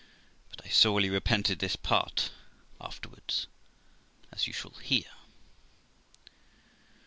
But I sorely repented this part afterward, as you shall hear.